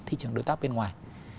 thị trường đối tác bên ngoài